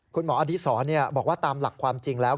คุณหมออดีศรบอกว่าตามหลักความจริงแล้ว